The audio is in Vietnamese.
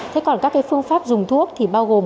thế còn các phương pháp dùng thuốc thì bao gồm